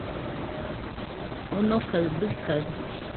Onokaɨ dɨkaɨ